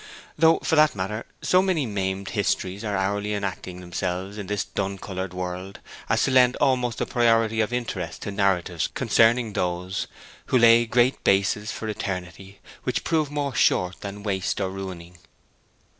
Though, for that matter, so many maimed histories are hourly enacting themselves in this dun coloured world as to lend almost a priority of interest to narratives concerning those 'Who lay great bases for eternity Which prove more short than waste or ruining.'